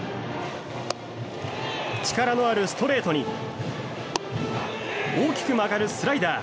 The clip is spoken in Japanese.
力のあるストレートに大きく曲がるスライダー。